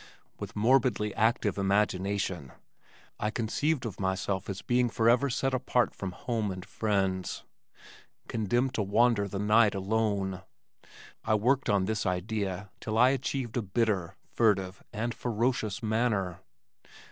With morbidly active imagination I conceived of myself as a being forever set apart from home and friends, condemned to wander the night alone. I worked on this idea till I achieved a bitter, furtive and ferocious manner.